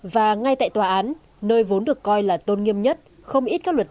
và ngay tại tòa án nơi vốn được coi là tôn nghiêm nhất không ít các luật sư tham gia